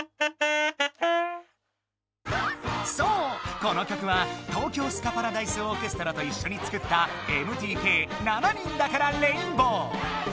そうこの曲は東京スカパラダイスオーケストラといっしょに作ったＭＴＫ「七人だからレインボー」。